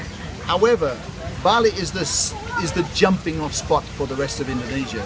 namun bali adalah tempat yang berjalan jalan untuk seluruh indonesia